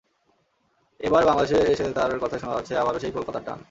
এবার বাংলাদেশে এসে তাঁর কথায় শোনা যাচ্ছে আবারও সেই কলকাতার টান।